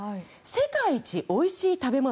「世界一おいしい食べ物」